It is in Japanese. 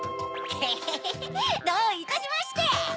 ヘヘヘどういたしまして！